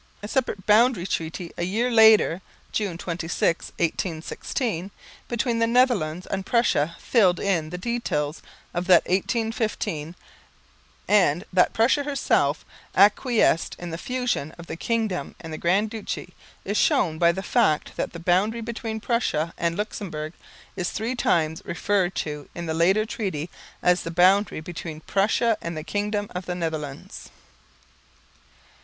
A separate boundary treaty a year later (June 26, 1816) between the Netherlands and Prussia filled in the details of that of 1815; and that Prussia herself acquiesced in the fusion of the kingdom and the Grand Duchy is shown by the fact that the boundary between Prussia and Luxemburg is three times referred to in the later treaty as the boundary between Prussia and the kingdom of the Netherlands.